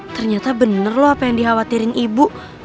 ternyata bener loh apa yang dikhawatirin ibu